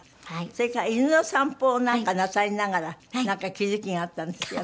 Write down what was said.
それから犬の散歩をなんかなさりながら気付きがあったんですって？